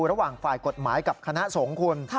ระหว่างฝ่ายกฎหมายกับคณะสงฆ์คุณ